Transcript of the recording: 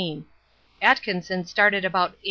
Atkinson started about 8.